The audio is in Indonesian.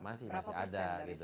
masih masih ada